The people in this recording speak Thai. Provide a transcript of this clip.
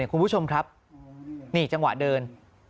คุณผู้ชมครับนี่จังหวะเดิน